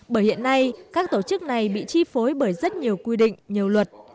bởi hiện nay các tổ chức này bị chi phối bởi rất nhiều quy định nhiều luật